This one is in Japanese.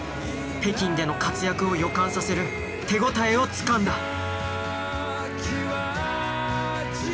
北京での活躍を予感させる手応えをつかんだ。